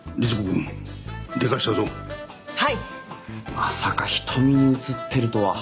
まさか瞳に映ってるとは。